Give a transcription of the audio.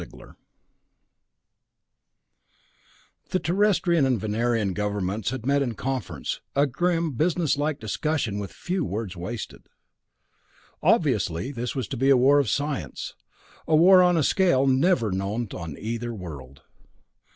I The Terrestrian and Venerian governments had met in conference, a grim, businesslike discussion with few wasted words. Obviously, this was to be a war of science, a war on a scale never before known on either world.